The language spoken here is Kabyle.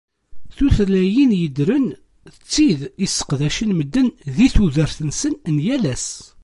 Tutlayin yeddren d tid i sseqdacen medden di tudert-nsen n yal ass.